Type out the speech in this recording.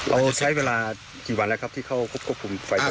เราใช้เวลากี่วันแล้วครับที่เข้าควบควบฟุมไฟป่าน้ำพอง